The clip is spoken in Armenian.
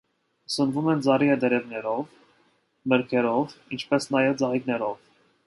Սնվում են ծառի տերևներով, մրգերով, ինչպես նաև ծաղիկներով։